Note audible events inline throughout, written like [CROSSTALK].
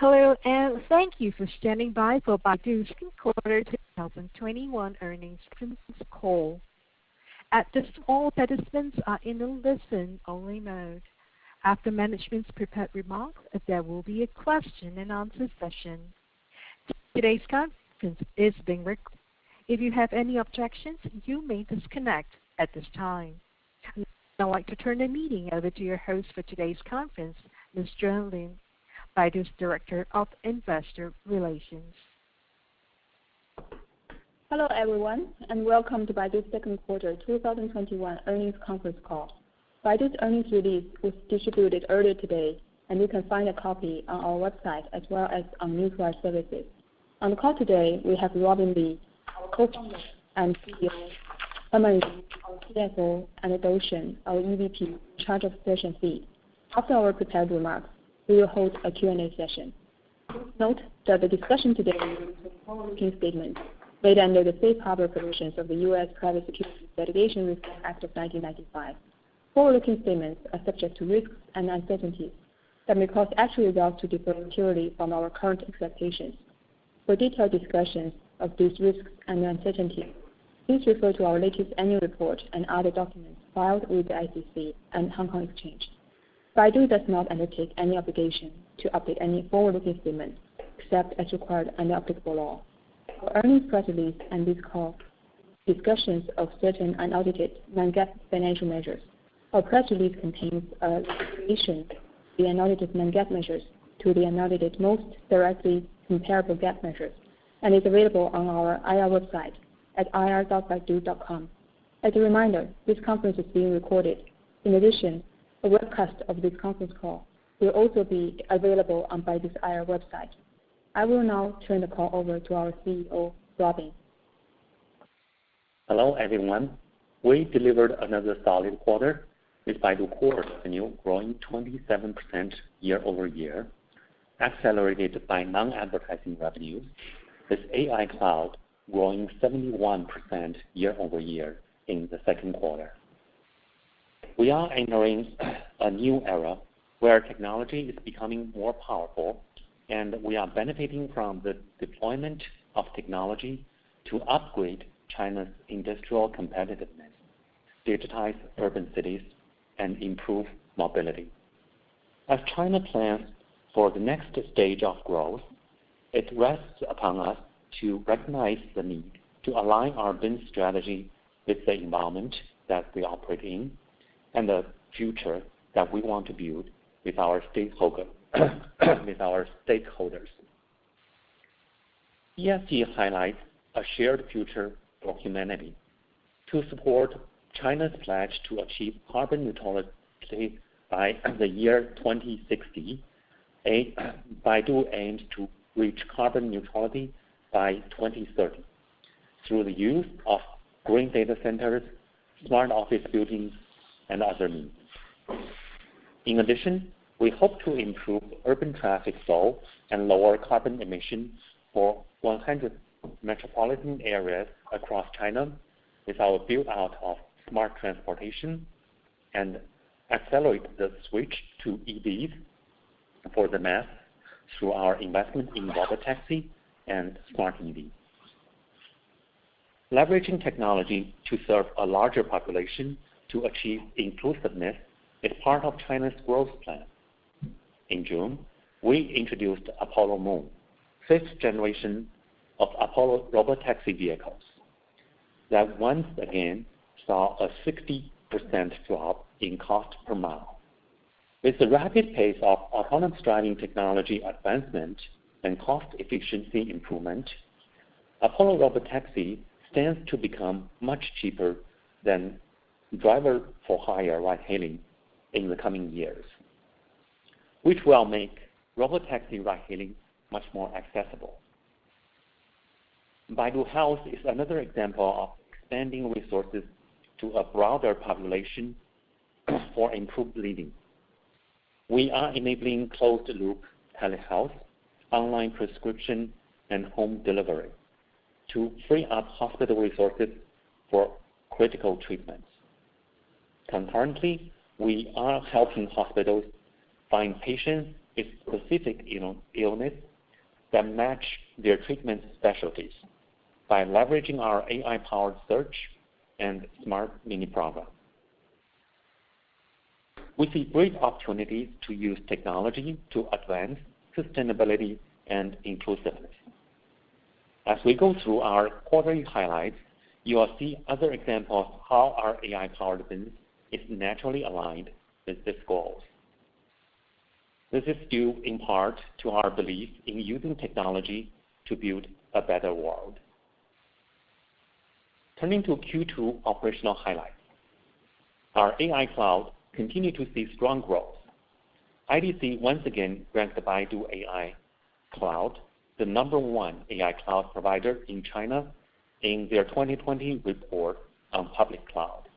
Hello, and thank you for standing by for Baidu's second quarter 2021 earnings conference call. At this time, all participants are in a listen-only mode. After management's prepared remarks, there will be a question and answer session. Today's conference is being recorded. If you have any objections, you may disconnect at this time. Now I'd like to turn the meeting over to your host for today's conference, Ms. Juan Lin, Baidu's Director of Investor Relations. Hello, everyone, welcome to Baidu's second quarter 2021 earnings conference call. Baidu's earnings release was distributed earlier today, you can find a copy on our website as well as on Newswire services. On the call today, we have Robin Li, our Co-founder and CEO, Herman Yu, our CFO, and Dou Shen, our EVP in charge of [MEG]. After our prepared remarks, we will hold a Q&A session. Please note that the discussion today will include forward-looking statements made under the Safe Harbor provisions of the U.S. Private Securities Litigation Reform Act of 1995. Forward-looking statements are subject to risks and uncertainties that may cause actual results to differ materially from our current expectations. For detailed discussions of these risks and uncertainties, please refer to our latest annual report and other documents filed with the SEC and Hong Kong Exchange. Baidu does not undertake any obligation to update any forward-looking statement except as required under applicable law. Our earnings press release and this call discussions of certain unaudited non-GAAP financial measures. Our press release contains a reconciliation of the unaudited non-GAAP measures to the unaudited most directly comparable GAAP measures and is available on our IR website at ir.baidu.com. As a reminder, this conference is being recorded. In addition, a webcast of this conference call will also be available on Baidu's IR website. I will now turn the call over to our CEO, Robin. Hello, everyone. We delivered another solid quarter, with Baidu Core revenue growing 27% year-over-year, accelerated by non-advertising revenues, with AI Cloud growing 71% year-over-year in the second quarter. We are entering a new era where technology is becoming more powerful and we are benefiting from the deployment of technology to upgrade China's industrial competitiveness, digitize urban cities, and improve mobility. As China plans for the next stage of growth, it rests upon us to recognize the need to align our business strategy with the environment that we operate in and the future that we want to build with our stakeholders. ESG highlights a shared future for humanity. To support China's pledge to achieve carbon neutrality by the year 2060, Baidu aims to reach carbon neutrality by 2030 through the use of green data centers, smart office buildings, and other means. We hope to improve urban traffic flow and lower carbon emissions for 100 metropolitan areas across China with our build-out of smart transportation and accelerate the switch to EVs for the mass through our investment in robotaxi and smart EV. Leveraging technology to serve a larger population to achieve inclusiveness is part of China's growth plan. In June, we introduced Apollo Moon, fifth generation of Apollo robotaxi vehicles that once again saw a 60% drop in cost per mile. With the rapid pace of autonomous driving technology advancement and cost efficiency improvement, Apollo robotaxi stands to become much cheaper than driver-for-hire ride hailing in the coming years, which will make robotaxi ride hailing much more accessible. Baidu Health is another example of expanding resources to a broader population for improved living. We are enabling closed-loop telehealth, online prescription, and home delivery to free up hospital resources for critical treatments. Concurrently, we are helping hospitals find patients with specific illness that match their treatment specialties by leveraging our AI-powered search and smart mini program. We see great opportunities to use technology to advance sustainability and inclusiveness. As we go through our quarterly highlights, you will see other examples of how our AI-powered business is naturally aligned with these goals. This is due in part to our belief in using technology to build a better world. Turning to Q2 operational highlights, our AI Cloud continued to see strong growth. IDC once again ranked Baidu AI Cloud the number one AI Cloud provider in China in their 2020 report on public cloud.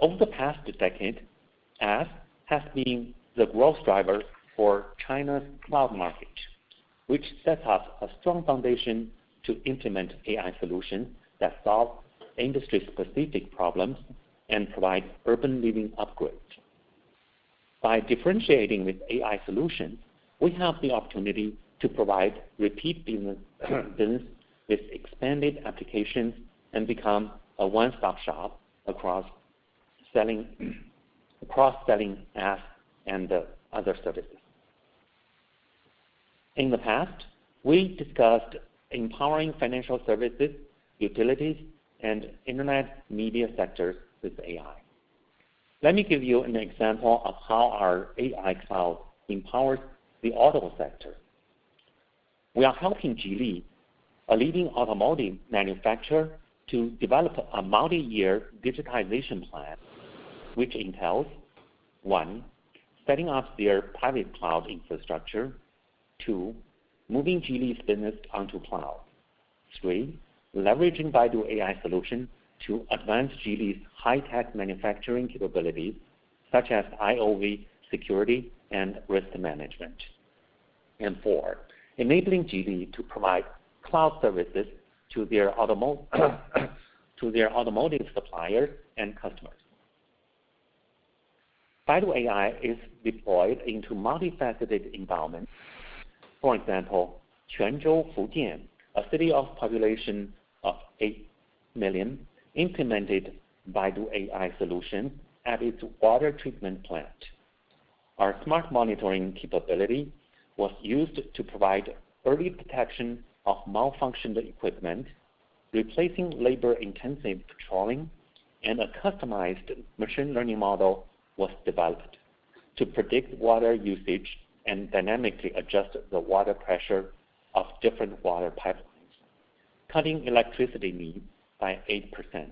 Over the past decade, SaaS has been the growth driver for China's cloud market, which sets us a strong foundation to implement AI solutions that solve industry-specific problems and provide urban living upgrades. By differentiating with AI solutions, we have the opportunity to provide repeat business with expanded applications and become a one-stop shop across selling apps and other services. In the past, we discussed empowering financial services, utilities, and internet media sectors with AI. Let me give you an example of how our AI Cloud empowers the auto sector. We are helping Geely, a leading automotive manufacturer, to develop a multi-year digitization plan, which entails, one, setting up their private cloud infrastructure. Two, moving Geely's business onto cloud. Three, leveraging Baidu AI solution to advance Geely's high-tech manufacturing capabilities such as IOV security and risk management. Four, enabling Geely to provide cloud services to their automotive suppliers and customers. Baidu AI is deployed into multifaceted environments. For example, Quanzhou, Fujian, a city of population of 8 million, implemented Baidu AI solution at its water treatment plant. Our smart monitoring capability was used to provide early detection of malfunctioned equipment, replacing labor-intensive patrolling. A customized machine learning model was developed to predict water usage and dynamically adjust the water pressure of different water pipelines, cutting electricity needs by 8%.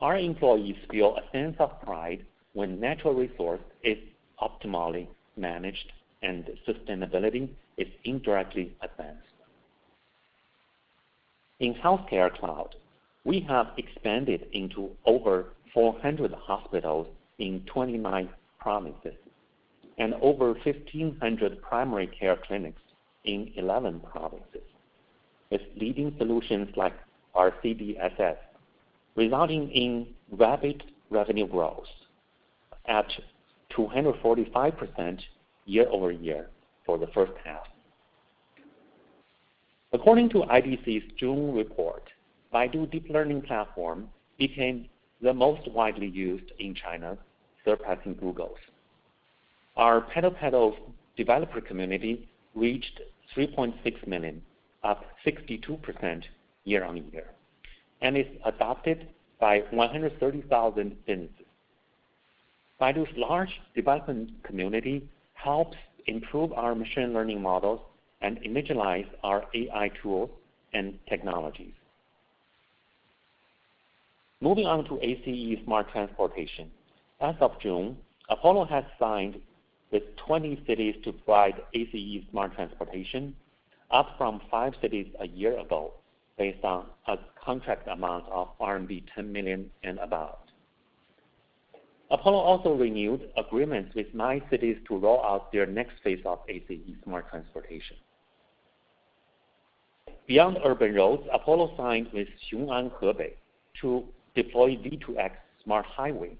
Our employees feel a sense of pride when natural resource is optimally managed and sustainability is indirectly advanced. In healthcare cloud, we have expanded into over 400 hospitals in 29 provinces and over 1,500 primary care clinics in 11 provinces, with leading solutions like our CDSS, resulting in rapid revenue growth at 245% year-over-year for the first half. According to IDC's June report, Baidu Deep Learning Platform became the most widely used in China, surpassing Google's. Our PaddlePaddle developer community reached 3.6 million, up 62% year-on-year, and is adopted by 130,000 businesses. Baidu's large development community helps improve our machine learning models and individualize our AI tools and technologies. Moving on to ACE Smart Transportation. As of June, Apollo has signed with 20 cities to provide ACE Smart Transportation, up from five cities a year ago, based on a contract amount of RMB 10 million and above. Apollo also renewed agreements with cities to roll out their next phase of ACE Smart Transportation. Beyond urban roads, Apollo signed with Xiong'an, Hebei, to deploy V2X smart highway,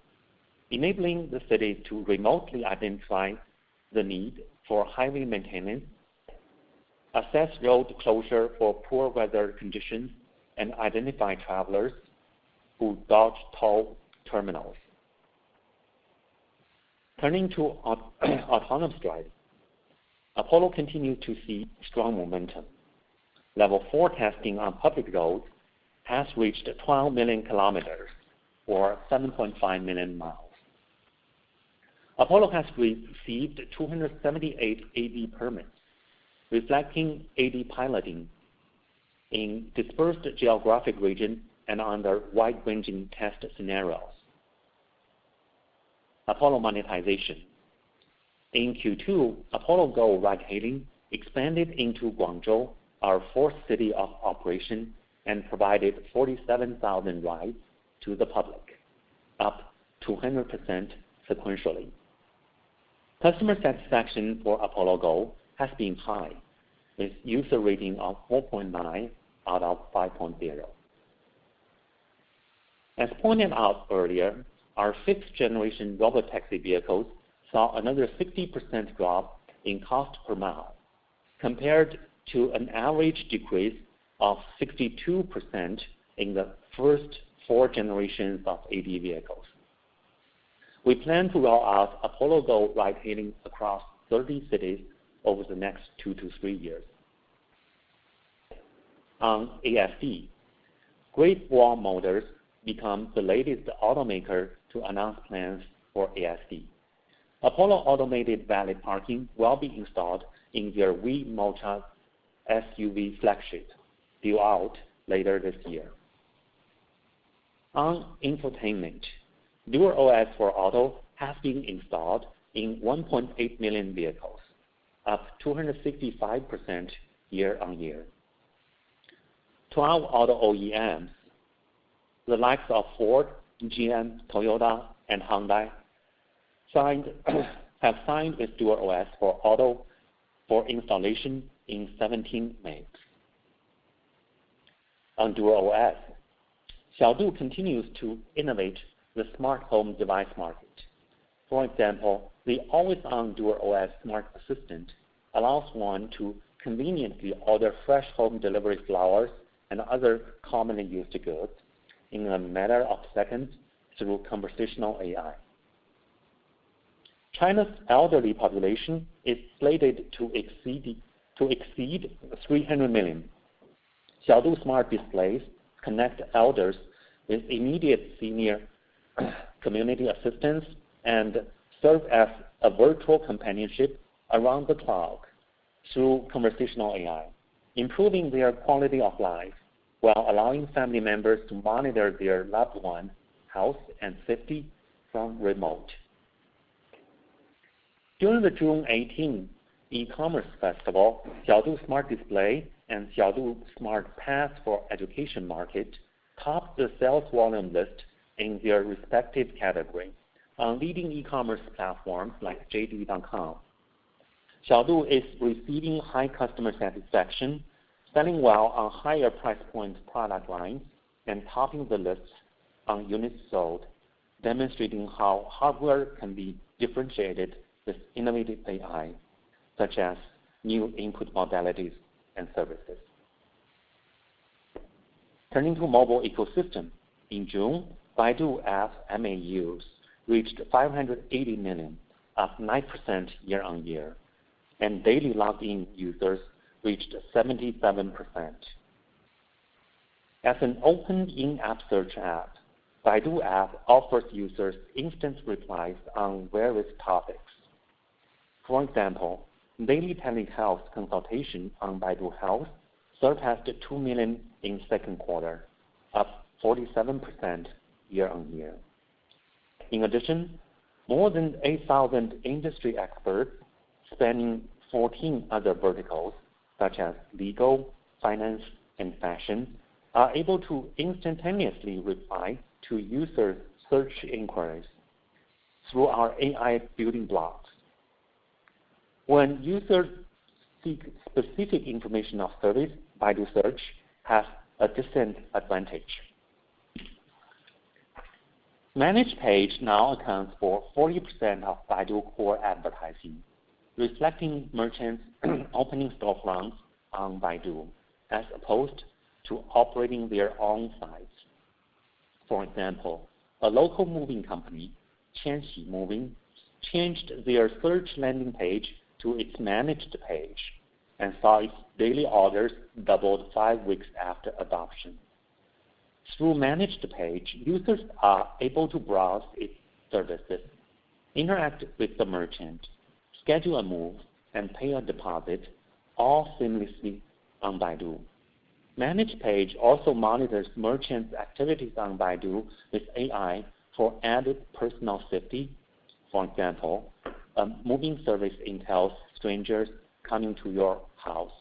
enabling the city to remotely identify the need for highway maintenance, assess road closure for poor weather conditions, and identify travelers who dodge toll terminals. Turning to autonomous driving, Apollo continues to see strong momentum. Level 4 testing on public roads has reached 12 million kilometers or 7.5 million miles. Apollo has received 278 AD permits, reflecting AD piloting in dispersed geographic regions and under wide-ranging test scenarios. Apollo monetization. In Q2, Apollo Go ride-hailing expanded into Guangzhou, our fourth city of operation, and provided 47,000 rides to the public, up 200% sequentially. Customer satisfaction for Apollo Go has been high, with user rating of 4.9 out of 5.0. As pointed out earlier, our 6th-generation robotaxi vehicles saw another 60% drop in cost per mile, compared to an average decrease of 62% in the first four generations of AD vehicles. We plan to roll out Apollo Go ride-hailing across 30 cities over the next two to three years. On ASD, Great Wall Motors becomes the latest automaker to announce plans for ASD. Apollo Automated Valet Parking will be installed in their WEY Mocha SUV flagship due out later this year. On infotainment, DuerOS for Auto has been installed in 1.8 million vehicles, up 265% year-on-year. 12 auto OEMs, the likes of Ford, GM, Toyota, and Hyundai, have signed with DuerOS for Auto for installation in 17 makes. On DuerOS, Xiaodu continues to innovate the smart home device market. For example, the always-on DuerOS smart assistant allows one to conveniently order fresh home delivery flowers and other commonly used goods in a matter of seconds through conversational AI. China's elderly population is slated to exceed 300 million. Xiaodu smart displays connect elders with immediate senior community assistance and serve as a virtual companionship around the clock through conversational AI, improving their quality of life while allowing family members to monitor their loved ones' health and safety from remote. During the June 18 e-commerce festival, Xiaodu smart display and Xiaodu smart pads for education market topped the sales volume list in their respective category on leading e-commerce platforms like JD.com. Xiaodu is receiving high customer satisfaction, selling well on higher price point product lines, and topping the list on units sold, demonstrating how hardware can be differentiated with innovative AI, such as new input modalities and services. Turning to mobile ecosystem, in June, Baidu App MAUs reached 580 million, up 9% year-on-year, and daily logged-in users reached 77%. As an open in-app search app, Baidu App offers users instant replies on various topics. For example, daily tele-health consultation on Baidu Health surpassed 2 million in second quarter, up 47% year-on-year. In addition, more than 8,000 industry experts spanning 14 other verticals such as legal, finance, and fashion, are able to instantaneously reply to user search inquiries through our AI building blocks. When users seek specific information or service, Baidu Search has a distinct advantage. Managed Page now accounts for 40% of Baidu Core advertising, reflecting merchants opening storefronts on Baidu as opposed to operating their own sites. For example, a local moving company, Tianxi Moving, changed their search landing page to its Managed Page and saw its daily orders doubled five weeks after adoption. Through Managed Page, users are able to browse its services, interact with the merchant, schedule a move, and pay a deposit all seamlessly on Baidu. Managed Page also monitors merchants' activities on Baidu with AI for added personal safety. For example, a moving service entails strangers coming to your house.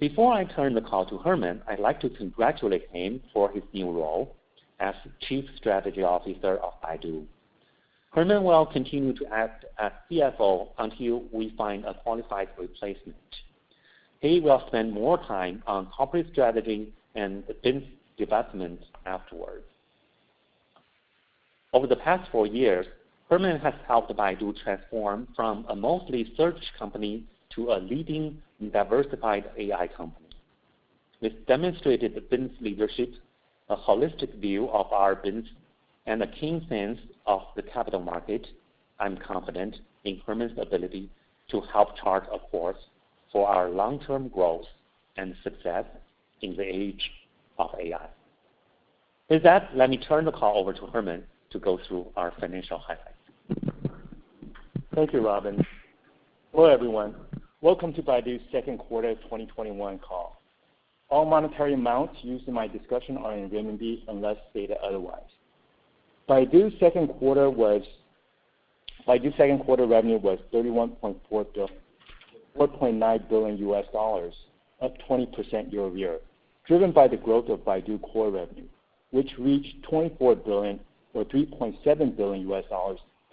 Before I turn the call to Herman, I'd like to congratulate him for his new role as Chief Strategy Officer of Baidu. Herman will continue to act as CFO until we find a qualified replacement. He will spend more time on corporate strategy and business divestments afterwards. Over the past four years, Herman has helped Baidu transform from a mostly search company to a leading and diversified AI company. With demonstrated business leadership, a holistic view of our business, and a keen sense of the capital market, I'm confident in Herman's ability to help chart a course for our long-term growth and success in the age of AI. With that, let me turn the call over to Herman to go through our financial highlights. Thank you, Robin. Hello, everyone. Welcome to Baidu's second quarter 2021 call. All monetary amounts used in my discussion are in RMB, unless stated otherwise. Baidu's second quarter revenue was $31.4 billion, up 20% year-over-year, driven by the growth of Baidu Core revenue, which reached RMB 24 billion or $3.7 billion,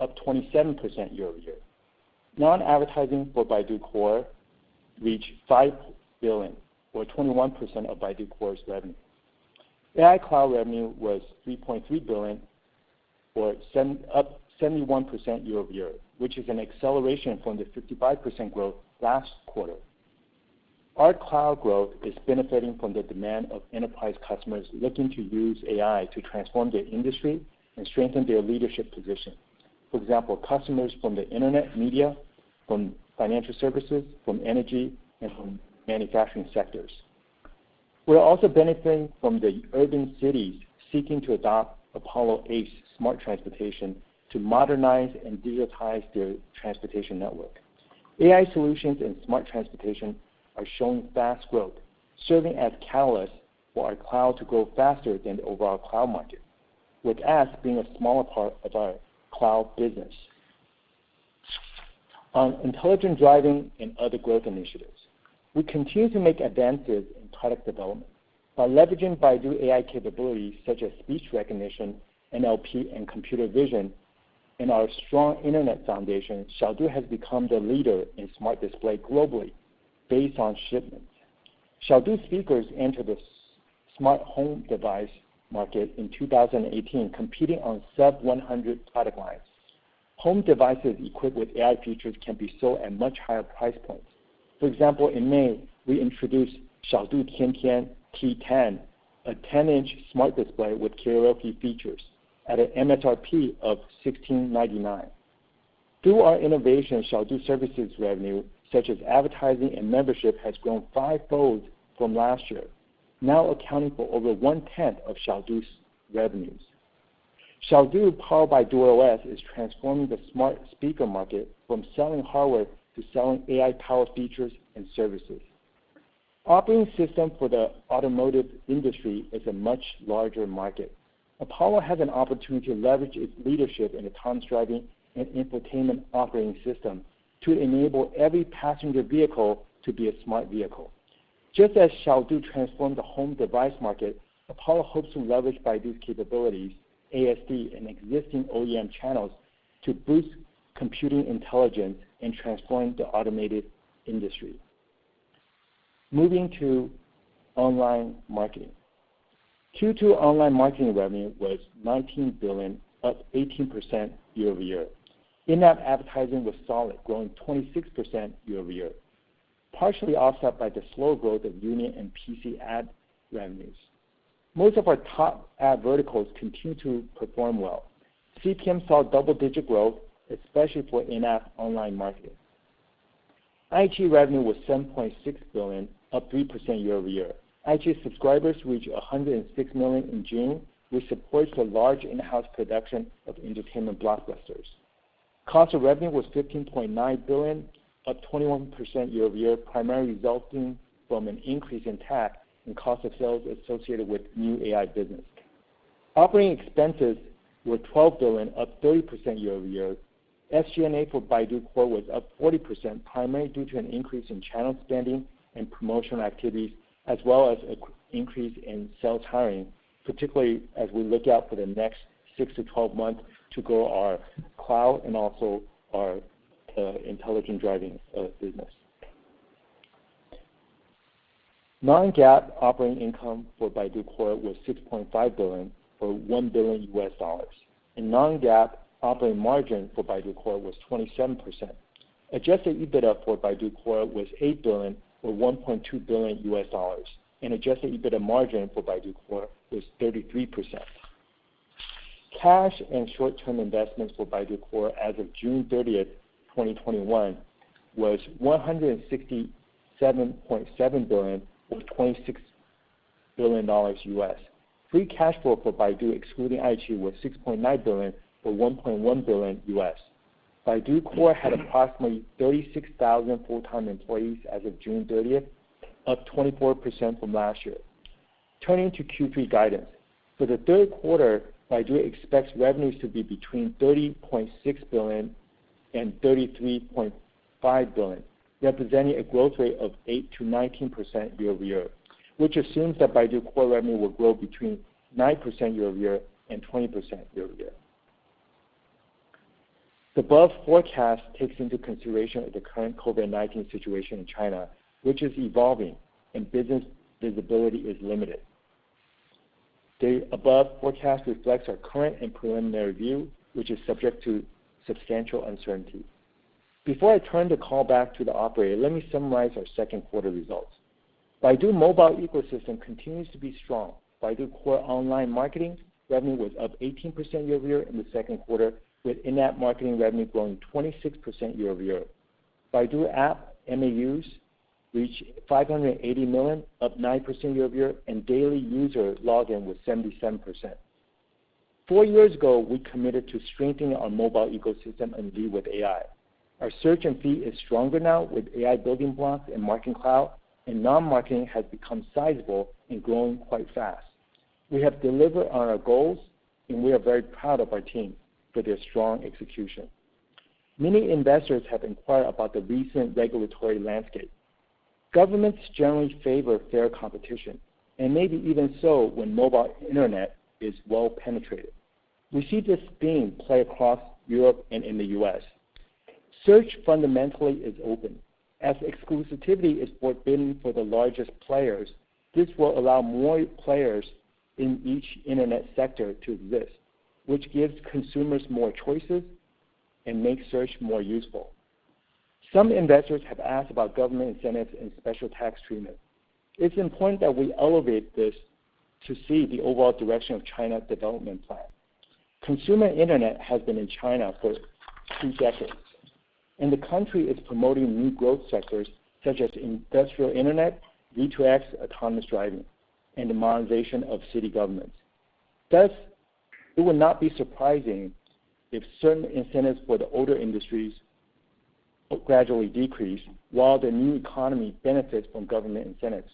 up 27% year-over-year. Non-advertising for Baidu Core reached 5 billion or 21% of Baidu Core's revenue. AI Cloud revenue was 3.3 billion, up 71% year-over-year, which is an acceleration from the 55% growth last quarter. Our cloud growth is benefiting from the demand of enterprise customers looking to use AI to transform their industry and strengthen their leadership position. For example, customers from the internet media, from financial services, from energy, and from manufacturing sectors. We are also benefiting from the urban cities seeking to adopt Apollo ACE Smart Transportation to modernize and digitize their transportation network. AI solutions and smart transportation are showing fast growth, serving as catalysts for our cloud to grow faster than the overall cloud market, with ASD being a smaller part of our cloud business. On intelligent driving and other growth initiatives. We continue to make advances in product development by leveraging Baidu AI capabilities such as speech recognition, NLP, and computer vision, and our strong internet foundation, Xiaodu has become the leader in smart display globally based on shipments. Xiaodu speakers entered the smart home device market in 2018, competing on sub-100 product lines. Home devices equipped with AI features can be sold at much higher price points. For example, in May, we introduced Xiaodu Tiantian T10, a 10-inch smart display with karaoke features at an MSRP of 1,699. Through our innovation, Xiaodu services revenue, such as advertising and membership, has grown fivefold from last year, now accounting for over 1/10 of Xiaodu's revenues. Xiaodu, powered by DuerOS, is transforming the smart speaker market from selling hardware to selling AI power features and services. Operating system for the automotive industry is a much larger market. Apollo has an opportunity to leverage its leadership in autonomous driving and infotainment operating system to enable every passenger vehicle to be a smart vehicle. Just as Xiaodu transformed the home device market, Apollo hopes to leverage Baidu's capabilities, ASD, and existing OEM channels to boost computing intelligence and transform the automated industry. Moving to online marketing, Q2 online marketing revenue was 19 billion, up 18% year-over-year. In-app advertising was solid, growing 26% year-over-year, partially offset by the slow growth of [INAUDIBLE] and PC ad revenues. Most of our top ad verticals continue to perform well. CPM saw double-digit growth, especially for in-app online marketing. iQIYI revenue was 7.6 billion, up 3% year-over-year. iQIYI subscribers reached 106 million in June, which supports the large in-house production of entertainment blockbusters. Cost of revenue was 15.9 billion, up 21% year-over-year, primarily resulting from an increase in tax and cost of sales associated with new AI business. Operating expenses were 12 billion, up 30% year-over-year. SG&A for Baidu Core was up 40%, primarily due to an increase in channel spending and promotional activities, as well as an increase in sales hiring, particularly as we look out for the next 6-12 months to grow our cloud and also our intelligent driving business. Non-GAAP operating income for Baidu Core was 6.5 billion, or $1 billion U.S. Non-GAAP operating margin for Baidu Core was 27%. Adjusted EBITDA for Baidu Core was 8 billion, or $1.2 billion, and adjusted EBITDA margin for Baidu Core was 33%. Cash and short-term investments for Baidu Core as of June 30th, 2021, was 167.7 billion, or $26 billion. Free cash flow for Baidu, excluding iQIYI, was 6.9 billion, or $1.1 billion. Baidu Core had approximately 36,000 full-time employees as of June 30th, up 24% from last year. Turning to Q3 guidance. For the third quarter, Baidu expects revenues to be between 30.6 billion and 33.5 billion, representing a growth rate of 8%-19% year-over-year, which assumes that Baidu Core revenue will grow between 9% year-over-year and 20% year-over-year. The above forecast takes into consideration the current COVID-19 situation in China, which is evolving and business visibility is limited. The above forecast reflects our current and preliminary view, which is subject to substantial uncertainty. Before I turn the call back to the operator, let me summarize our second quarter results. Baidu mobile ecosystem continues to be strong. Baidu Core online marketing revenue was up 18% year-over-year in the second quarter, with in-app marketing revenue growing 26% year-over-year. Baidu App MAUs reached 580 million, up 9% year-over-year, and daily user login was 77%. Four years ago, we committed to strengthening our mobile ecosystem and lead with AI. Our Search and Feed is stronger now with AI building blocks and Marketing Cloud, and non-marketing has become sizable and growing quite fast. We have delivered on our goals, and we are very proud of our team for their strong execution. Many investors have inquired about the recent regulatory landscape. Governments generally favor fair competition, and maybe even so when mobile internet is well penetrated. We see this theme play across Europe and in the U.S. Search fundamentally is open. Exclusivity is forbidden for the largest players, this will allow more players in each internet sector to exist, which gives consumers more choices and makes search more useful. Some investors have asked about government incentives and special tax treatment. It's important that we elevate this to see the overall direction of China's development plan. Consumer internet has been in China for two decades, the country is promoting new growth sectors such as industrial internet, V2X, autonomous driving, and the modernization of city governments. Thus, it would not be surprising if certain incentives for the older industries gradually decrease while the new economy benefits from government incentives.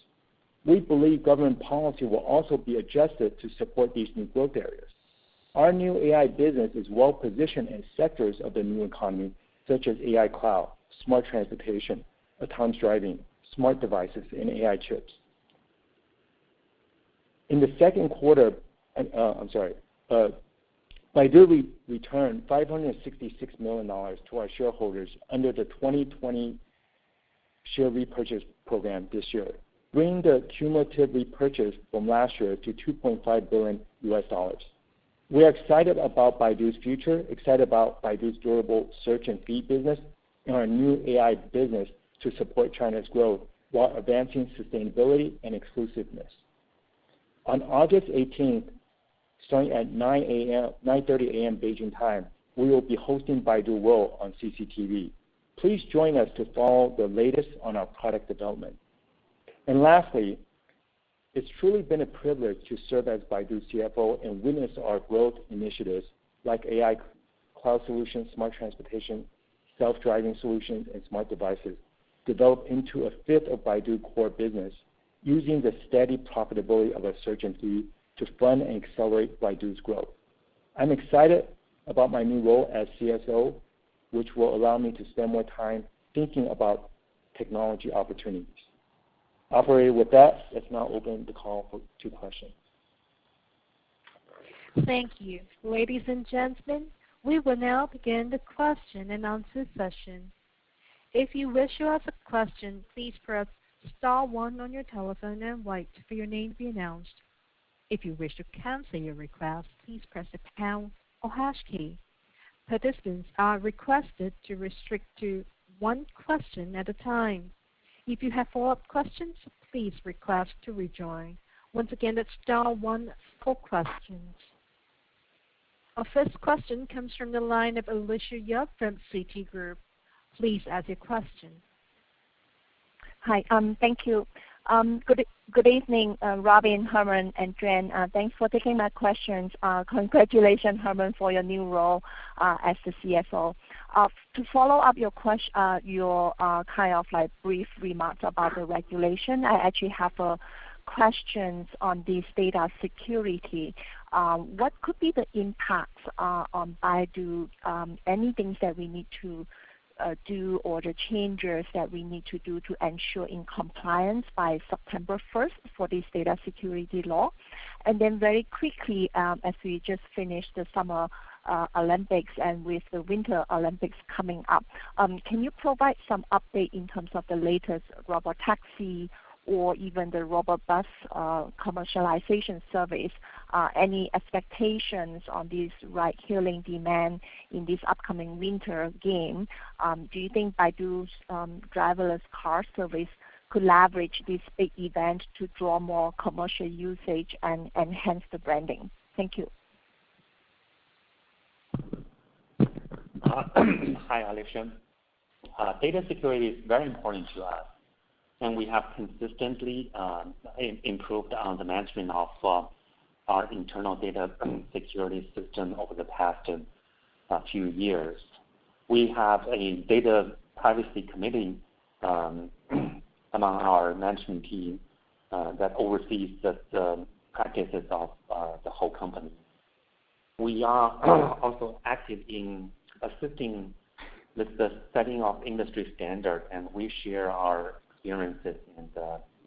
We believe government policy will also be adjusted to support these new growth areas. Our new AI business is well positioned in sectors of the new economy such as AI Cloud, Smart Transportation, autonomous driving, smart devices, and AI chips. In the second quarter, I'm sorry, Baidu returned $566 million to our shareholders under the 2020 share repurchase program this year, bringing the cumulative repurchase from last year to $2.5 billion. We are excited about Baidu's future, excited about Baidu's durable Search and Feed business, and our new AI business to support China's growth while advancing sustainability and exclusiveness. On August 18th, starting at 9:30 AM. Beijing time, we will be hosting Baidu World on CCTV. Please join us to follow the latest on our product development. Lastly, it's truly been a privilege to serve as Baidu's CFO and witness our growth initiatives like AI Cloud solutions, Smart Transportation, Self-Driving Solutions, and Smart Devices develop into a 5th of Baidu Core business using the steady profitability of our Search and Feed to fund and accelerate Baidu's growth. I'm excited about my new role as CSO, which will allow me to spend more time thinking about technology opportunities. Operator, with that, let's now open the call for two questions. Thank you. Ladies and gentlemen, we will now begin the question-and-answer session. If you wish to ask a question, please press star one on your telephone and wait for your name to be announced. If you wish to cancel your request, please press the pound or hash key. Participants are requested to restrict to one question at a time. If you have follow-up questions, please request to rejoin. Once again, it's star one for questions. Our first question comes from the line of Alicia Yap from Citigroup. Please ask your question. Hi. Thank you. Good evening, Robin, Herman, and Dou Shen. Thanks for taking my questions. Congratulations, Herman, for your new role as the CSO. To follow up your brief remarks about the regulation, I actually have questions on this data security. What could be the impacts on Baidu, any things that we need to do or the changes that we need to do to ensure in compliance by September 1st for this data security law? Very quickly, as we just finished the Summer Olympics and with the Winter Olympics coming up, can you provide some update in terms of the latest robotaxi or even the robot bus commercialization surveys, any expectations on this ride-hailing demand in this upcoming Winter games? Do you think Baidu's driverless car service could leverage this big event to draw more commercial usage and enhance the branding? Thank you. Hi, Alicia. Data security is very important to us. We have consistently improved on the management of our internal data security system over the past few years. We have a data privacy committee among our management team that oversees the practices of the whole company. We are also active in assisting with the setting of industry standard. We share our experiences and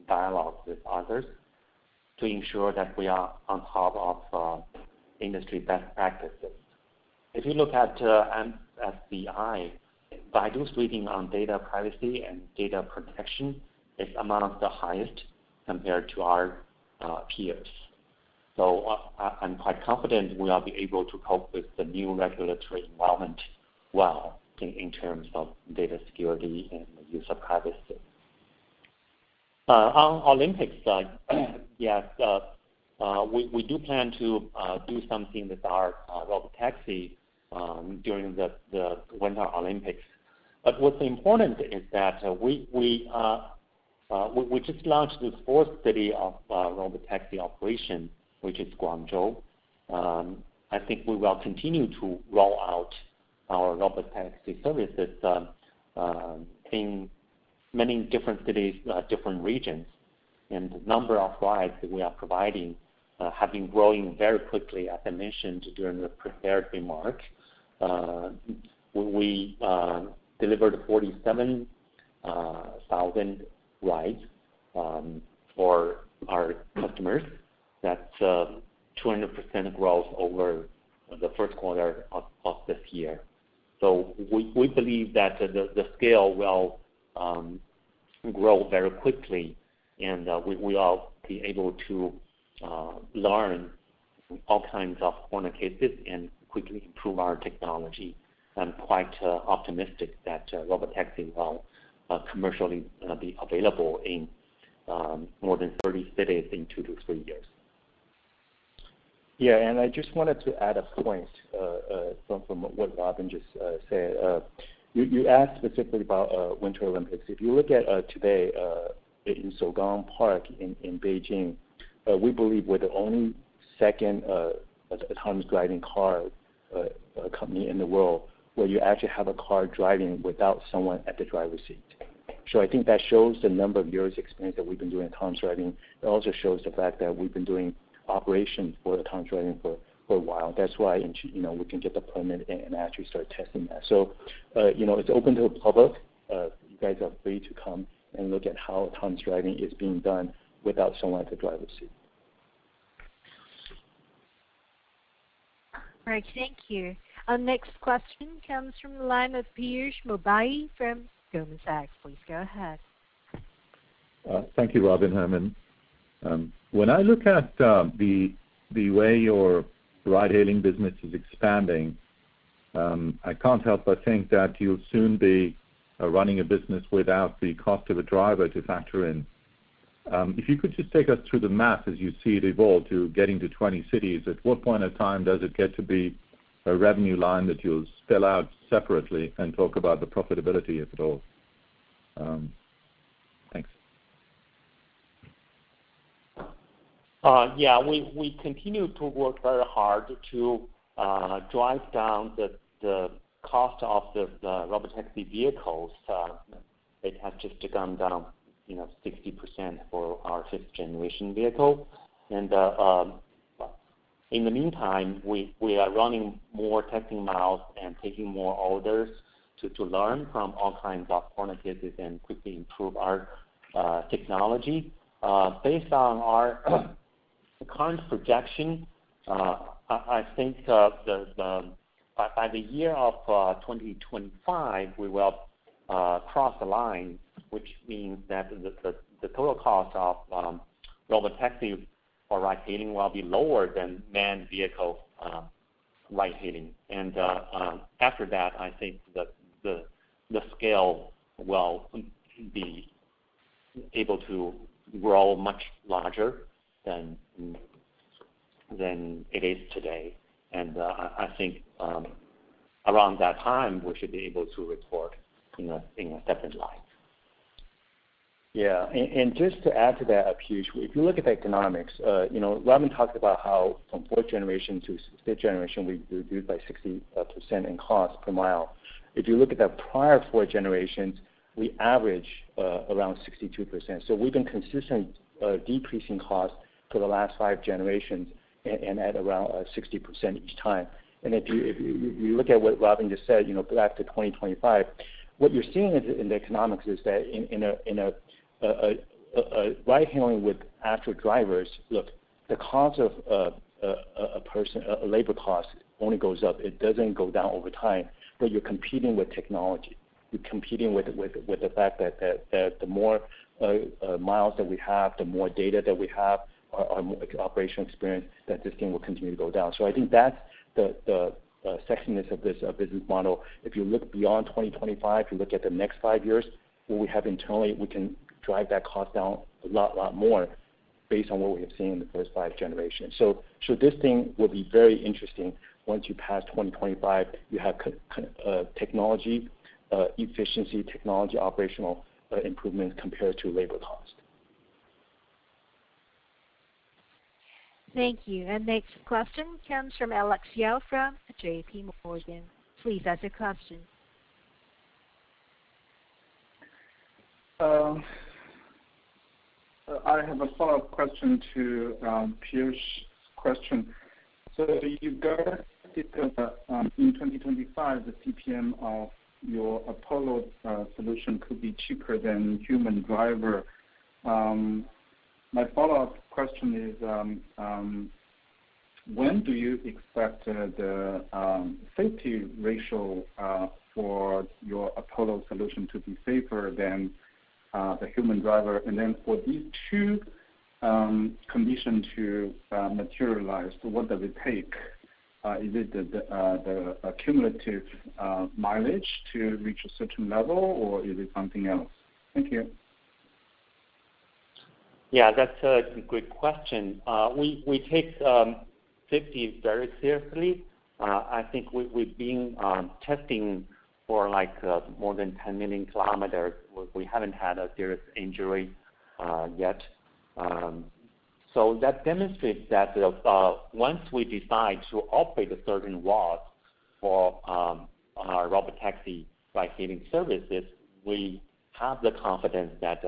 dialogues with others to ensure that we are on top of industry best practices. If you look at, [INAUDIBLE] Baidu's rating on data privacy and data protection is among the highest compared to our peers. I'm quite confident we will be able to cope with the new regulatory environment well in terms of data security and user privacy. On Olympics side, yes, we do plan to do something with our robotaxi during the Winter Olympics. What's important is that we just launched this fourth city of robotaxi operation, which is Guangzhou. I think we will continue to roll out our robotaxi services in many different cities, different regions, and the number of rides that we are providing have been growing very quickly, as I mentioned during the prepared remarks. We delivered 47,000 rides for our customers. That's a 200% growth over the first quarter of this year. We believe that the scale will grow very quickly, and we will be able to learn from all kinds of corner cases and quickly improve our technology. I'm quite optimistic that robotaxi will commercially be available in more than 30 cities in two to three years. I just wanted to add a point from what Robin just said. You asked specifically about Winter Olympics. If you look at today in Shougang Park in Beijing, we believe we're the only second autonomous driving car company in the world where you actually have a car driving without someone at the driver's seat. I think that shows the number of years' experience that we've been doing autonomous driving. It also shows the fact that we've been doing operations for the autonomous driving for a while. That's why we can get the permit and actually start testing that. It's open to the public. You guys are free to come and look at how autonomous driving is being done without someone at the driver's seat. All right, thank you. Our next question comes from the line of Piyush Mubayi from Goldman Sachs. Please go ahead. Thank you, Robin, Herman. When I look at the way your ride-hailing business is expanding, I can't help but think that you'll soon be running a business without the cost of a driver to factor in. If you could just take us through the math as you see it evolve to getting to 20 cities. At what point of time does it get to be a revenue line that you'll spell out separately and talk about the profitability, if at all? Thanks. Yeah, we continue to work very hard to drive down the cost of the robotaxi vehicles. It has just gone down 60% for our fifth-generation vehicle. In the meantime, we are running more testing miles and taking more orders to learn from all kinds of corner cases and quickly improve our technology. Based on our current projection, I think by the year of 2025, we will cross the line, which means that the total cost of robotaxi for ride-hailing will be lower than manned vehicle ride-hailing. After that, I think that the scale will be able to grow much larger than it is today. I think, around that time, we should be able to report in a separate line. Yeah. Just to add to that, Piyush, if you look at the economics, Robin talked about how from fourth generation to fifth generation, we reduced by 60% in cost per mile. If you look at the prior four generations, we average around 62%. We've been consistent decreasing cost for the last five generations and at around 60% each time. If you look at what Robin Li just said, go out to 2025, what you're seeing in the economics is that in a ride-hailing with actual drivers, look, the cost of labor cost only goes up. It doesn't go down over time. You're competing with technology. You're competing with the fact that the more miles that we have, the more data that we have, our operation experience, that this thing will continue to go down. I think that's the sexiness of this business model. If you look beyond 2025, you look at the next five years, what we have internally, we can drive that cost down a lot more based on what we have seen in the first five generations. This thing will be very interesting once you pass 2025. You have technology efficiency, technology operational improvements compared to labor cost. Thank you. Next question comes from Alex Yao from JPMorgan. Please ask your question. I have a follow-up question to Piyush's question. You guys said that in 2025, the CPM of your Apollo solution could be cheaper than human driver. My follow-up question is, when do you expect the safety ratio for your Apollo solution to be safer than the human driver? For these two conditions to materialize, what does it take? Is it the cumulative mileage to reach a certain level, or is it something else? Thank you. Yeah, that's a good question. We take safety very seriously. I think we've been testing for more than 10 million kilometers. We haven't had a serious injury yet. That demonstrates that once we decide to operate a certain route for our robotaxi ride-hailing services, we have the confidence that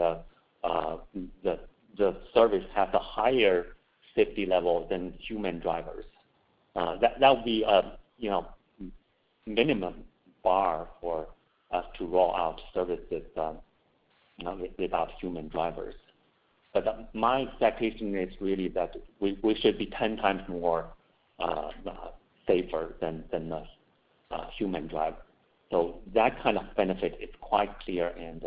the service has a higher safety level than human drivers. That would be a minimum bar for us to roll out services without human drivers. My expectation is really that we should be 10x more safer than the human driver. That kind of benefit is quite clear, and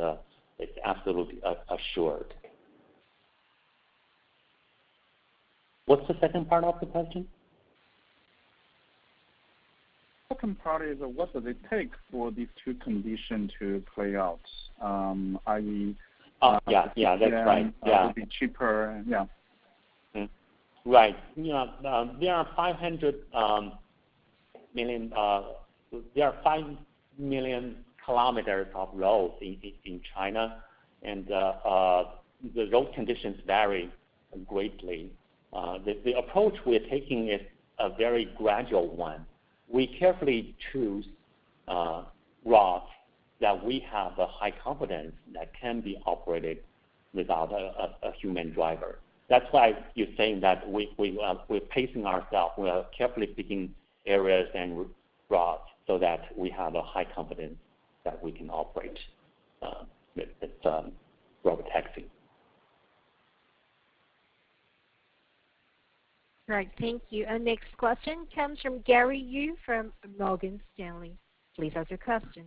it's absolutely assured. What's the second part of the question? Second part is, what does it take for these two conditions to play out? Oh, yeah. Yeah, that's right. Yeah. Will be cheaper and yeah. Right. There are 5 million kilometers of roads in China, and the road conditions vary greatly. The approach we're taking is a very gradual one. We carefully choose routes that we have a high confidence that can be operated without a human driver. That's why you're saying that we're pacing ourselves. We are carefully picking areas and routes so that we have a high confidence that we can operate with the robotaxi. Right. Thank you. Our next question comes from Gary Yu from Morgan Stanley. Please ask your question.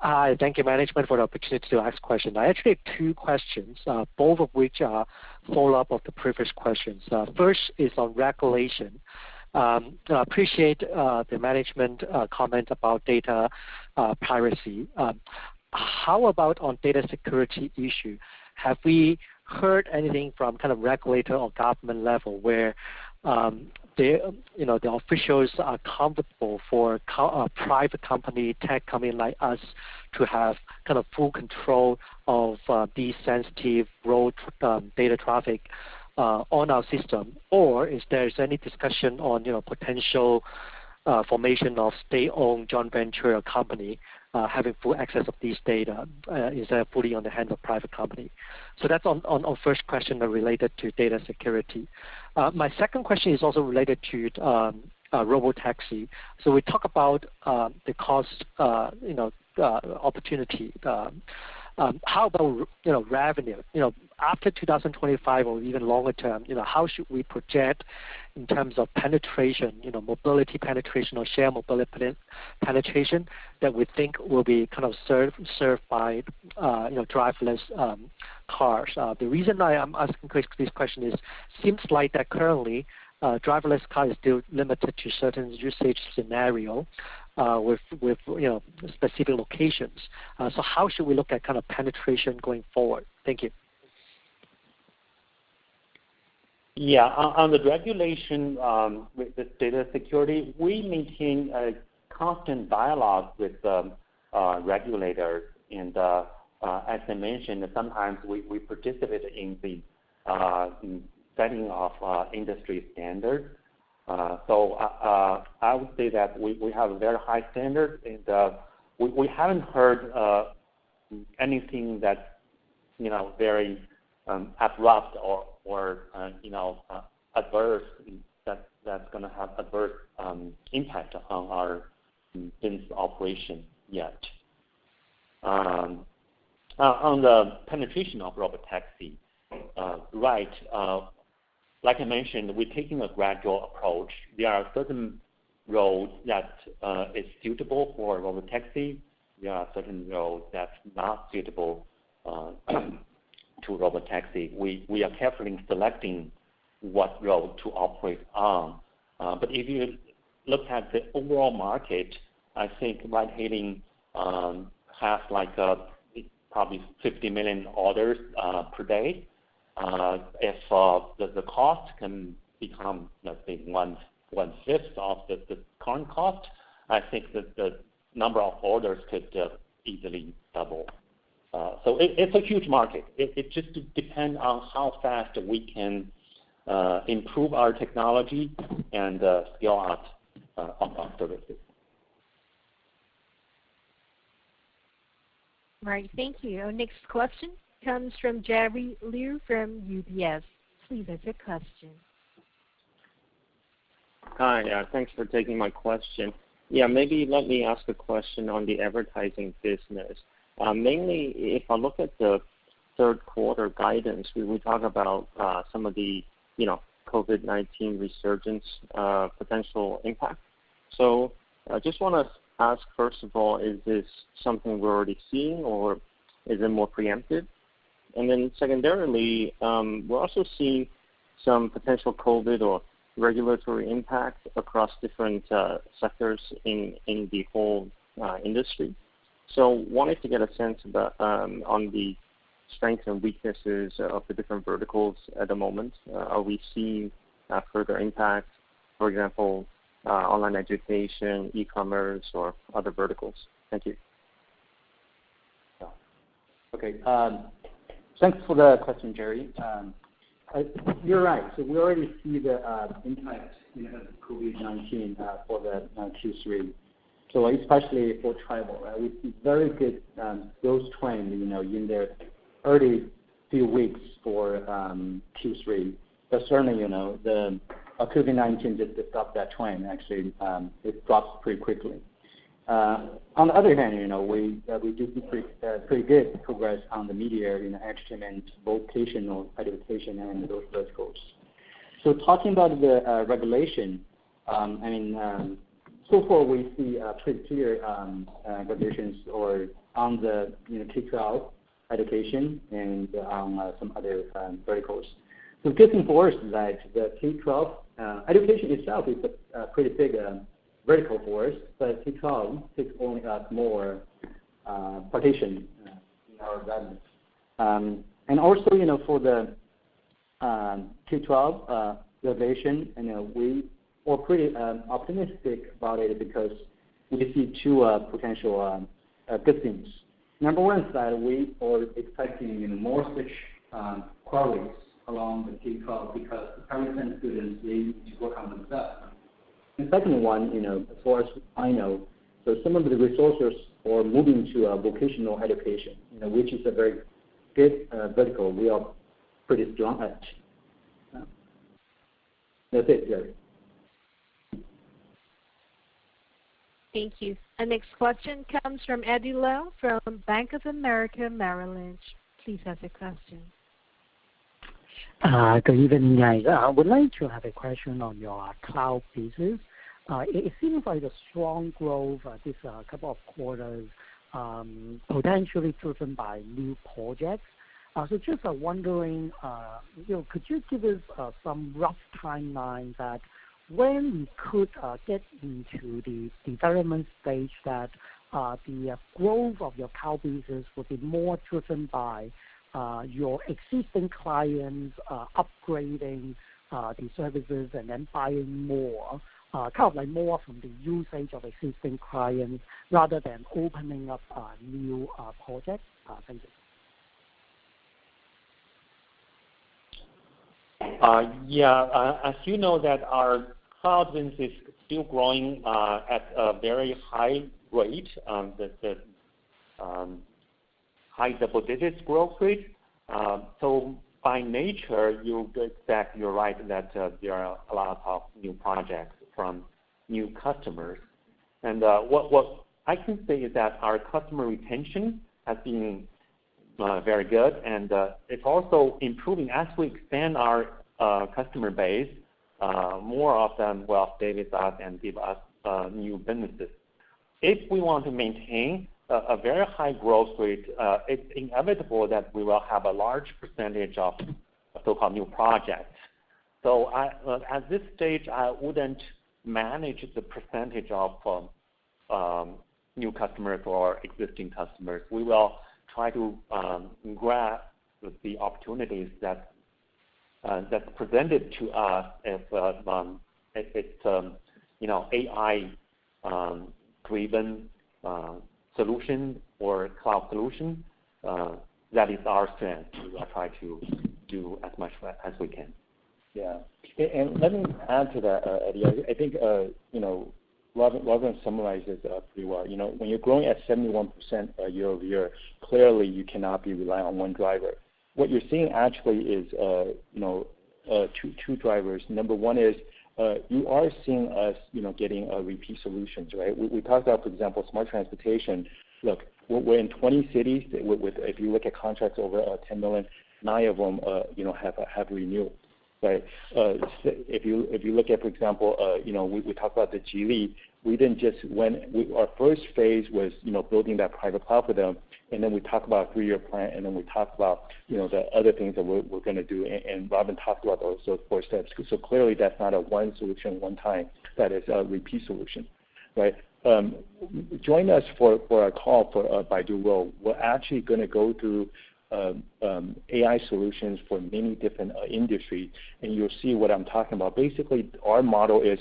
Hi. Thank you, management, for the opportunity to ask question. I actually have two questions, both of which are follow-up of the previous questions. First is on regulation. I appreciate the management comment about data privacy. How about on data security issue? Have we heard anything from regulator or government level where the officials are comfortable for private company, tech company like us to have full control of these sensitive road data traffic on our system? Is there any discussion on potential formation of state-owned joint venture company having full access of this data instead of fully on the hands of private company? That's on first question related to data security. My second question is also related to robotaxi. We talk about the cost opportunity. How about revenue? After 2025 or even longer term, how should we project in terms of penetration, mobility penetration or share mobility penetration that we think will be served by driverless cars? The reason I am asking this question is seems like that currently, driverless car is still limited to certain usage scenario with specific locations. How should we look at penetration going forward? Thank you. Yeah. On the regulation with the data security, we maintain a constant dialogue with regulators, and as I mentioned, sometimes we participate in the setting of industry standards. I would say that we have very high standards, and we haven't heard anything that's very abrupt or adverse, that's going to have adverse impact on our business operation yet. On the penetration of robotaxi, right. Like I mentioned, we're taking a gradual approach. There are certain roads that is suitable for robotaxi. There are certain roads that's not suitable to robotaxi. We are carefully selecting what road to operate on. If you look at the overall market, I think ride-hailing has probably 50 million orders per day. If the cost can become, let's say, 1/5 of the current cost, I think that the number of orders could easily double. It's a huge market. It just depend on how fast we can improve our technology and scale out our services. Right. Thank you. Our next question comes from Jerry Liu from UBS. Please ask your question. Hi. Thanks for taking my question. Yeah, maybe let me ask a question on the advertising business. Mainly, if I look at the third quarter guidance, we talk about some of the COVID-19 resurgence potential impact. I just want to ask, first of all, is this something we're already seeing or is it more preemptive? Secondarily, we're also seeing some potential COVID or regulatory impact across different sectors in the whole industry. Wanted to get a sense on the strength and weaknesses of the different verticals at the moment. Are we seeing a further impact, for example, online education, e-commerce, or other verticals? Thank you. Okay. Thanks for the question, Jerry. You're right. We already see the impact of COVID-19 for the Q3. So it's actually for [INAUDIBLE] that would be very good. Those trying, you know, in their early few weeks for Q3. Certainly, the COVID-19 just stopped that trend actually. It drops pretty quickly. On the other hand, we do see pretty good progress on the media, entertainment, vocational education, and those verticals. Talking about the regulation, so far we see pretty clear reductions on the K12 education and some other verticals. Good thing for us is that the K12 education itself is a pretty big vertical for us, but K12 takes only up a small portion in our revenues. Also for the K12 [division], we are pretty optimistic about it because we see two potential good things. Number one is that we are expecting more such queries along the K12 because the parents and students, they need to work on themselves. Second one, as far as I know, some of the resources are moving to vocational education, which is a very good vertical. We are pretty strong at. That's it, Jerry. Thank you. Our next question comes from Eddie Leung from Bank of America Merrill Lynch. Please ask your question. Good evening, guys. I would like to have a question on your cloud business. It seems like a strong growth this a couple quarters, potentially driven by new projects. Just wondering, could you give us some rough timeline that when we could get into the development stage that the growth of your cloud business would be more driven by your existing clients upgrading the services and then buying more, kind of like more from the usage of existing clients rather than opening up new projects? Thank you. Yeah. As you know that our cloud business is still growing at a very high rate, the high double-digits growth rate. By nature, you're right that there are a lot of new projects from new customers. What I can say is that our customer retention has been very good, and it's also improving. As we expand our customer base, more of them will stay with us and give us new businesses. If we want to maintain a very high growth rate, it's inevitable that we will have a large percentage of so-called new projects. At this stage, I wouldn't manage the percentage of new customers or existing customers. We will try to grasp the opportunities that's presented to us if it's AI-driven solution or cloud solution. That is our strength. We will try to do as much as we can. Yeah. Let me add to that, Eddie. I think Robin summarized it pretty well. When you're growing at 71% year-over-year, clearly you cannot be reliant on one driver. What you're seeing actually is two drivers. Number one is, you are seeing us getting repeat solutions, right? We talked about, for example, Smart Transportation. Look, we're in 20 cities. If you look at contracts over 10 million, nine of them have renewed, right? If you look at, for example, we talked about Geely. Our first phase was building that private cloud for them. Then we talked about a three-year plan. Then we talked about the other things that we're going to do. Robin talked about those four steps. Clearly, that's not a one solution one time. That is a repeat solution, right? Join us for our call for Baidu World. We're actually going to go through AI solutions for many different industries, and you'll see what I'm talking about. Basically, our model is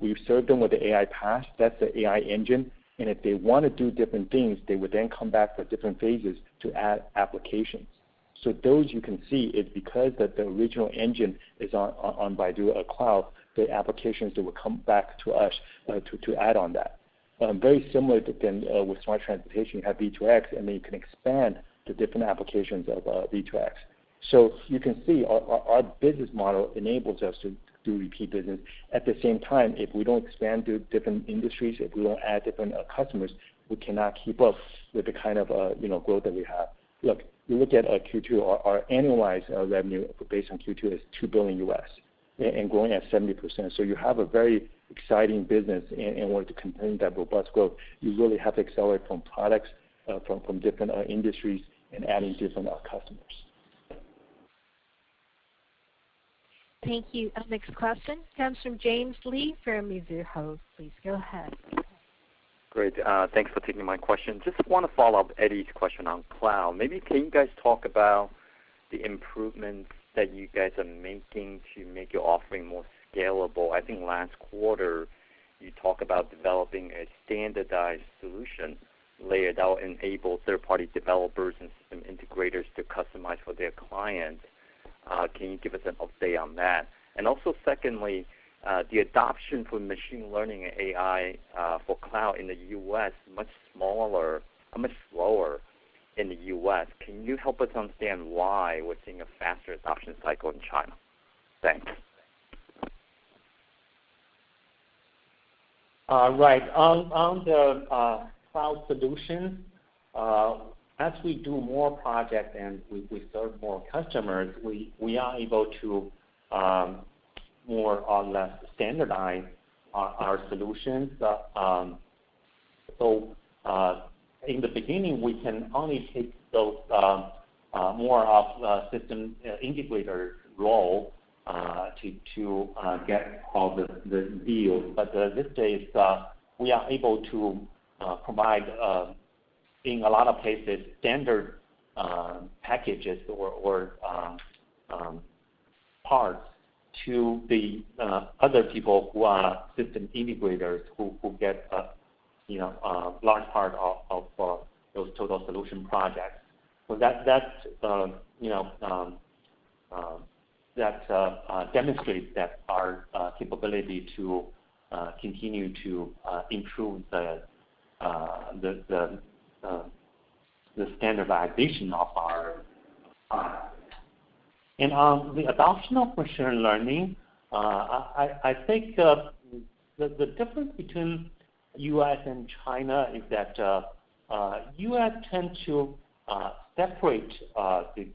we've served them with the AI PaaS, that's the AI engine, and if they want to do different things, they would then come back for different phases to add applications. Those you can see it's because that the original engine is on Baidu AI Cloud, the applications that will come back to us to add on that. Very similar with smart transportation, you have V2X, you can expand to different applications of V2X. You can see our business model enables us to do repeat business. At the same time, if we don't expand to different industries, if we don't add different customers, we cannot keep up with the kind of growth that we have. Look, you look at our Q2, our annualized revenue based on Q2 is $2 billion and growing at 70%. You have a very exciting business, and in order to continue that robust growth, you really have to accelerate from products from different industries and adding different customers. Thank you. Our next question comes from James Lee from Mizuho. Please go ahead. Great. Thanks for taking my question. Just want to follow up Eddie's question on cloud. Maybe can you guys talk about the improvements that you guys are making to make your offering more scalable? I think last quarter, you talked about developing a standardized solution layered that enables third-party developers and system integrators to customize for their clients. Can you give us an update on that? Also secondly, the adoption for machine learning and AI for cloud in the U.S., much smaller or much slower in the U.S. Can you help us understand why we're seeing a faster adoption cycle in China? Thanks. On the cloud solution, as we do more projects and we serve more customers, we are able to more or less standardize our solutions. In the beginning, we can only take those more of a system integrator role to get all the deals. These days, we are able to provide a lot of places, standard packages or parts to the other people who are system integrators who get a large part of those total solution projects. That demonstrates that our capability to continue to improve the standardization of our product. On the adoption of machine learning, I think the difference between U.S. and China is that U.S. tends to separate the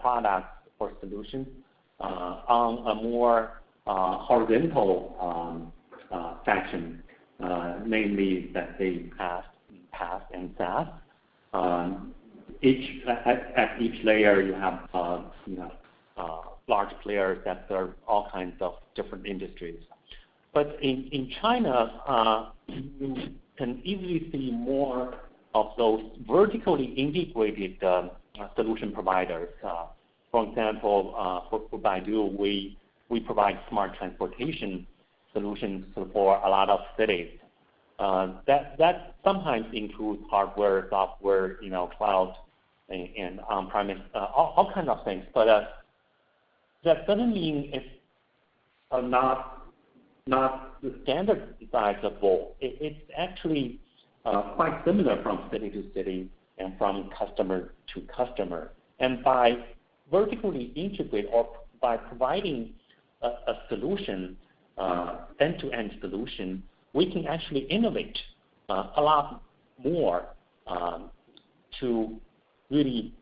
product or solution on a more horizontal fashion, namely that they have PaaS and SaaS. At each layer you have large players that serve all kinds of different industries. In China, you can easily see more of those vertically integrated solution providers. For example, for Baidu, we provide smart transportation solutions for a lot of cities. That sometimes includes hardware, software, cloud and on-premise, all kind of things. That doesn't mean it's not standardizable. It's actually quite similar from city-to-city and from customer-to-customer. By vertically integrate or by providing a solution, end-to-end solution, we can actually innovate a lot more to really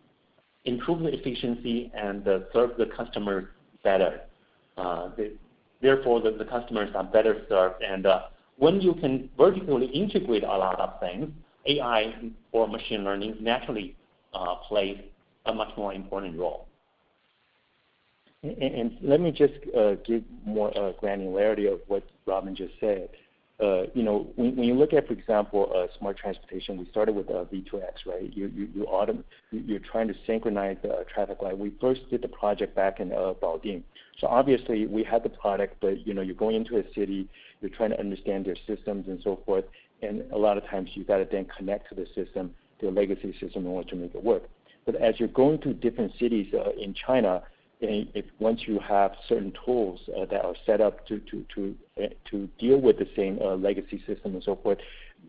improve the efficiency and serve the customers better. Therefore, the customers are better served. When you can vertically integrate a lot of things, AI or machine learning naturally plays a much more important role. Let me just give more granularity of what Robin just said. When you look at, for example, Smart Transportation, we started with V2X, right? You're trying to synchronize the traffic light. We first did the project back in Baoding. Obviously we had the product, but you're going into a city, you're trying to understand their systems and so forth, and a lot of times you've got to then connect to the system, to a legacy system in order to make it work. As you're going to different cities in China, once you have certain tools that are set up to deal with the same legacy system and so forth,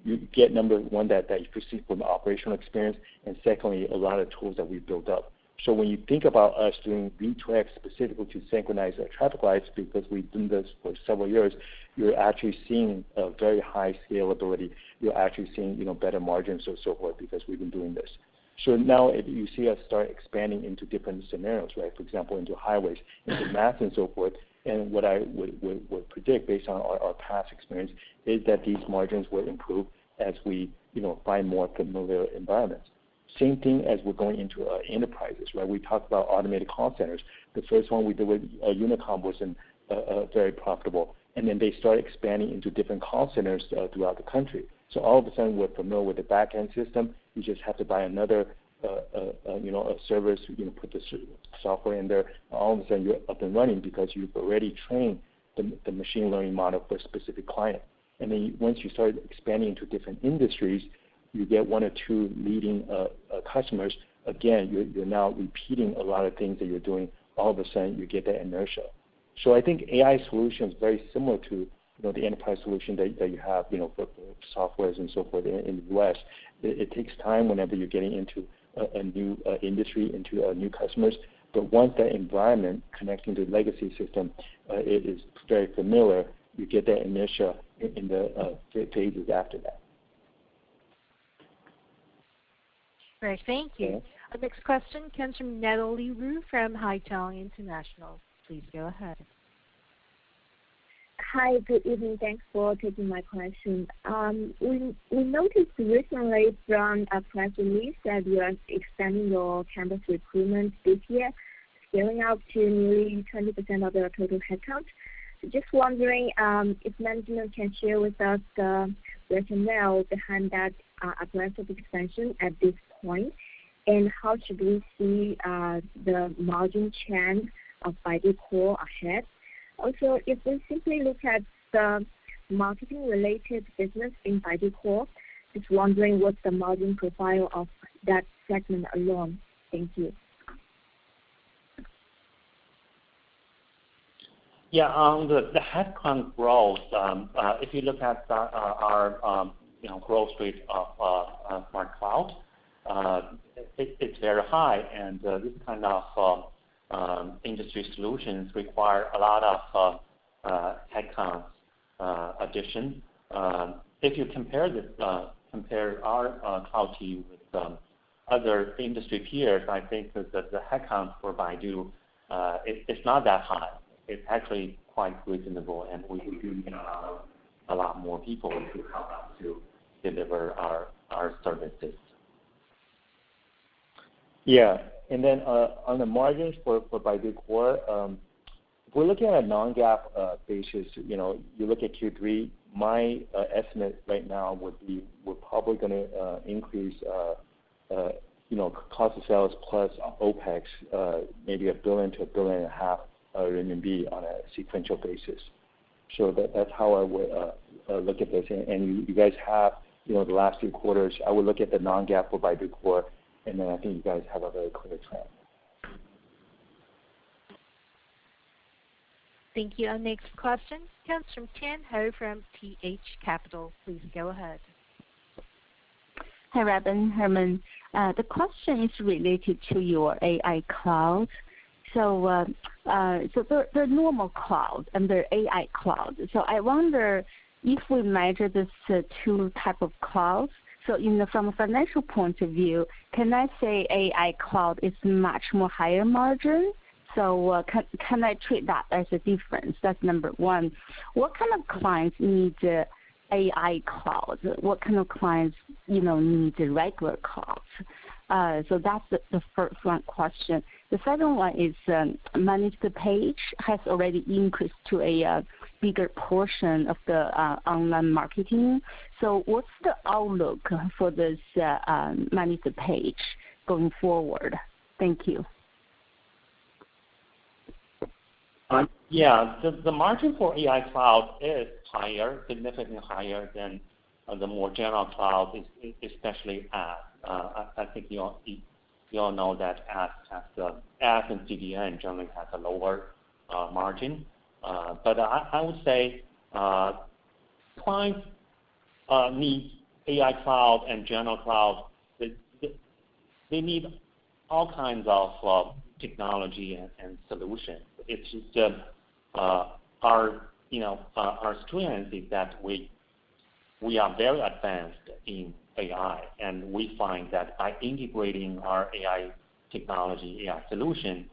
you get number one, that efficiency from operational experience, and secondly, a lot of tools that we've built up. When you think about us doing V2X specifically to synchronize the traffic lights, because we've done this for several years, you're actually seeing a very high scalability. You're actually seeing better margins or so forth because we've been doing this. Now you see us start expanding into different scenarios, right? For example, into highways, into mass and so forth. What I would predict based on our past experience is that these margins will improve as we find more familiar environments. Same thing as we're going into enterprises, right? We talked about automated call centers. The first one we did with Unicom was very profitable, and then they start expanding into different call centers throughout the country. All of a sudden, we're familiar with the back end system. We just have to buy another service. We're going to put the software in there. All of a sudden, you're up and running because you've already trained the machine learning model for a specific client. Once you start expanding into different industries, you get one or two leading customers. You're now repeating a lot of things that you're doing. All of a sudden, you get that inertia. I think AI solution is very similar to the enterprise solution that you have for softwares and so forth in the West. It takes time whenever you're getting into a new industry, into new customers. Once that environment connecting to legacy system, it is very familiar. You get that inertia in the phases after that. Great. Thank you. Our next question comes from Natalie Wu from Haitong International. Please go ahead. Hi. Good evening. Thanks for taking my question. We noticed recently from a press release that you are expanding your campus recruitment this year, scaling up to nearly 20% of the total headcount. Just wondering if management can share with us the rationale behind that aggressive expansion at this point, and how should we see the margin trend of Baidu Core ahead? Also, if we simply look at the marketing-related business in Baidu Core, just wondering what the margin profile of that segment alone? Thank you. On the headcount growth, if you look at our growth rate of AI Cloud, it's very high, and this kind of industry solutions require a lot of headcount addition. If you compare our cloud team with other industry peers, I think that the headcount for Baidu, it's not that high. It's actually quite reasonable, and we could use a lot more people to help us to deliver our services. On the margins for Baidu Core, if we are looking at non-GAAP basis, you look at Q3, my estimate right now would be we are probably going to increase cost of sales plus OPEX, maybe 1 billion-1.5 billion on a sequential basis. That is how I would look at this. You guys have the last two quarters, I would look at the non-GAAP for Baidu Core, then I think you guys have a very clear trend. Thank you. Our next question comes from Tian Hou from TH Capital. Please go ahead. Hi, Robin, Herman. The question is related to your AI Cloud. There are normal cloud and there are AI Cloud. I wonder if we measure these two type of clouds, from a financial point of view, can I say AI Cloud is much more higher margin? Can I treat that as a difference? That's number one. What kind of clients need the AI Cloud? What kind of clients need the regular cloud? That's the first one question. The second one is Managed Page has already increased to a bigger portion of the online marketing. What's the outlook for this Managed Page going forward? Thank you. Yeah. The margin for AI Cloud is higher, significantly higher than the more general cloud, especially apps. I think you all know that apps and CDN generally have a lower margin. I would say, clients need AI Cloud and general cloud. They need all kinds of technology and solutions. It's just our strength is that we are very advanced in AI, and we find that by integrating our AI technology, AI solution,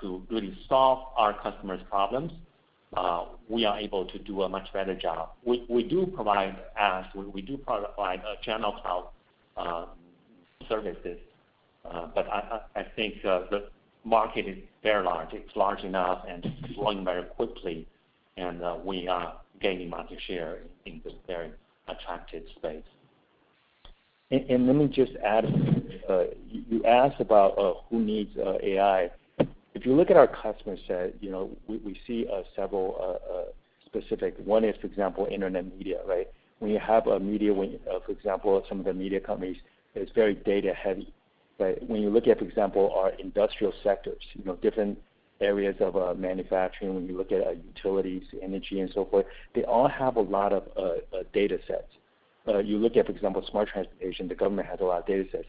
to really solve our customers' problems, we are able to do a much better job. We do provide apps, we do provide general cloud services, I think the market is very large. It's large enough and it's growing very quickly and we are gaining market share in this very attractive space. Let me just add. You asked about who needs AI. If you look at our customer set, we see several specific. One is, for example, internet media, right? When you have a media, for example, some of the media companies, it's very data heavy. When you look at, for example, our industrial sectors, different areas of manufacturing, when you look at utilities, energy, and so forth, they all have a lot of data sets. You look at, for example, smart transportation, the government has a lot of data sets.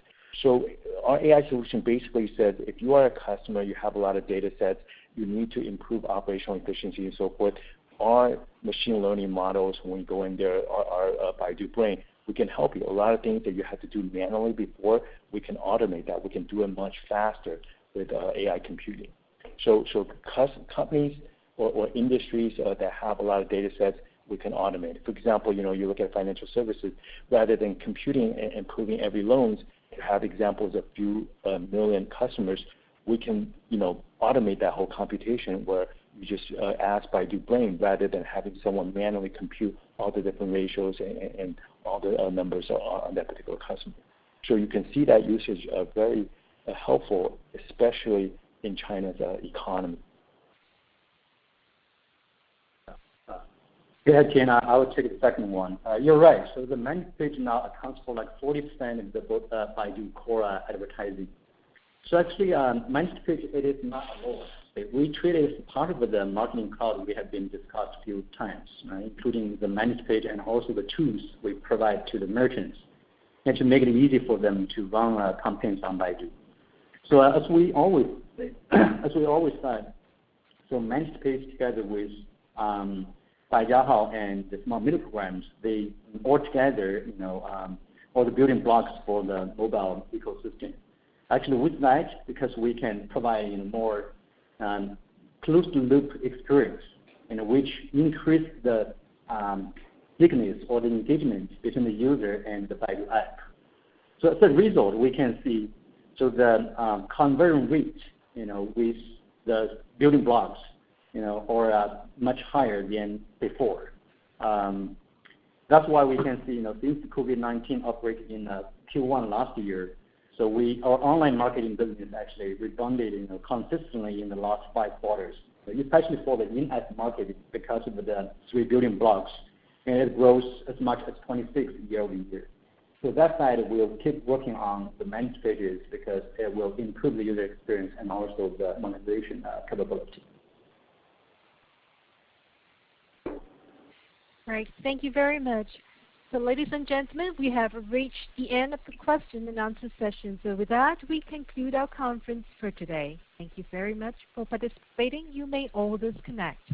Our AI solution basically says, if you are a customer, you have a lot of data sets, you need to improve operational efficiency and so forth, our machine learning models, when we go in there, our Baidu Brain, we can help you. A lot of things that you had to do manually before, we can automate that. We can do it much faster with AI computing. Companies or industries that have a lot of data sets, we can automate. For example, you look at financial services. Rather than computing and approving every loans, you have examples of few million customers, we can automate that whole computation where you just ask Baidu Brain, rather than having someone manually compute all the different ratios and all the numbers on that particular customer. You can see that usage are very helpful, especially in China's economy. This is Dou Shen. I will take the second one. You're right. The Managed Page now accounts for, like 40% of the Baidu Core advertising. Actually, Managed Page, it is not alone. We treat it as a part of the Marketing Cloud we have been discussed a few times, right? Including the Managed Page and also the tools we provide to the merchants, and to make it easy for them to run contents on Baidu. As we always said, Managed Page together with Baidu and the Smart Mini Programs, they all together are the building blocks for the mobile ecosystem. Actually, we like because we can provide more closed loop experience, and which increase the stickiness or the engagement between the user and the Baidu App. As a result, we can see, the conversion rate with the building blocks are much higher than before. That's why we can see since the COVID-19 outbreak in Q1 last year, our online marketing business actually rebounded consistently in the last five quarters, especially for the enhanced market because of the three building blocks, and it grows as much as 26% year-over-year. That side, we'll keep working on the Managed Pages because it will improve the user experience and also the monetization capability. All right. Thank you very much. Ladies and gentlemen, we have reached the end of the question and answer session. With that, we conclude our conference for today. Thank you very much for participating. You may all disconnect.